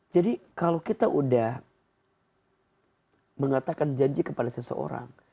jadi kalau kita sudah mengatakan janji kepada seseorang